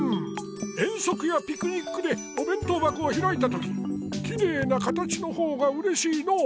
遠足やピクニックでおべん当ばこをひらいたとききれいな形のほうがうれしいのう。